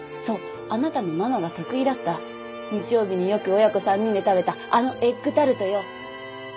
そうあなたのママが得意だった日曜日によく親子３人で食べたあのエッグタルトよ。